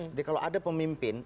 jadi kalau ada pemimpin